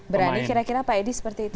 berani kira kira pak edi seperti itu